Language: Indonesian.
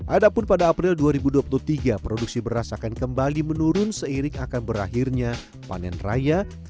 adapun pada april dua ribu dua puluh tiga produksi beras akan kembali menurun seiring akan berakhirnya panen raya